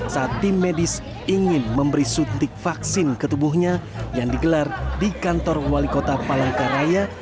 saat tim medis ingin memberi suntik vaksin ke tubuhnya yang digelar di kantor wali kota palangkaraya